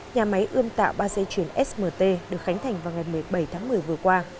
nhà máy ươm tạo ba dây chuyền smt được khánh thành vào ngày một mươi bảy tháng một mươi vừa qua